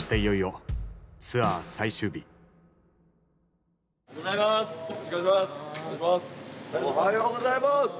おはようございます。